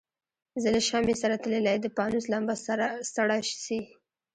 زه له شمعي سره تللی د پانوس لمبه سړه سي